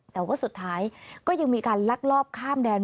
แต่ว่าสุดท้ายก็ยังมีการลักลอบข้ามแดน